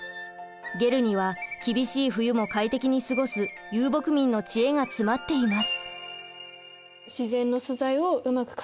ゲルには厳しい冬も快適に過ごす遊牧民の知恵が詰まっています。